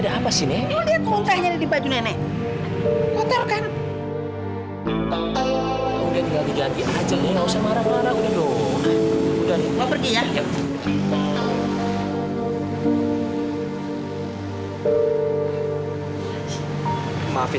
sampai jumpa di video selanjutnya